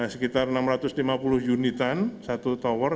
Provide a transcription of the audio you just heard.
sekitar enam ratus lima puluh unitan satu tower